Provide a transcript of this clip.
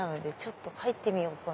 入ってみようかな。